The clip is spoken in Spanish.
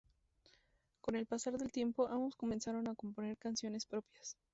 Con el pasar del tiempo, ambos comenzaron a componer canciones propias.